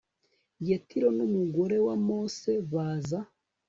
yetiro n umugore wa mose baza